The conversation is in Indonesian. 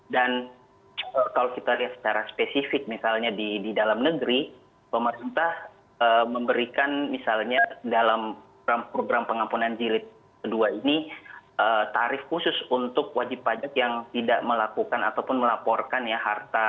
dan kalau kita lihat secara spesifik misalnya di dalam negeri pemerintah memberikan misalnya dalam program pengampunan jilid kedua ini tarif khusus untuk wajib pajak yang tidak melakukan ataupun melaporkan ya harta